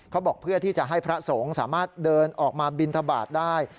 บอกเพื่อที่จะให้พระสงฆ์สามารถเดินออกมาบินทบาทได้